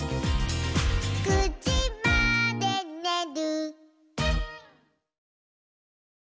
「９じまでにねる」